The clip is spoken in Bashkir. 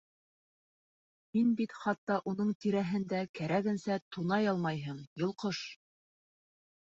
Һин бит хатта уның тиреһендә кәрәгенсә тунай алмайһың, йолҡош!